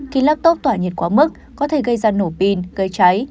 khi laptop tỏa nhiệt quá mức có thể gây ra nổ pin gây cháy